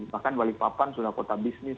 bahkan balikpapan sudah kota bisnis